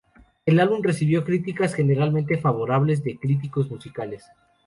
El álbum recibió críticas generalmente favorables de críticos musicales.